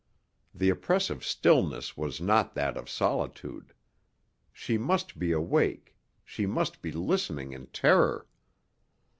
The oppressive stillness was not that of solitude. She must be awake; she must be listening in terror.